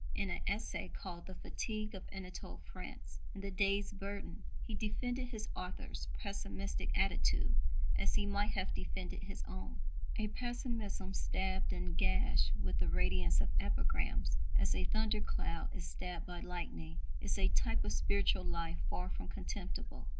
In an essay called The Fatigue of Anatole France in The Day's Burden he defended his author's pessimistic attitude as he might have defended his own: A pessimism, stabbed and gashed with the radiance of epigrams, as a thundercloud is stabbed by lightning, is a type of spiritual life far from contemptible.